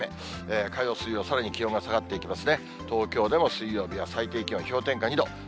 火曜、水曜、さらに気温が下がっていきますね。